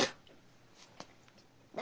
何？